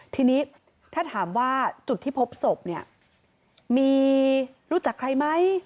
ทีนี้ถ้าถามว่าจุดที่พบศพเนี่ยมีรู้จักใครไหม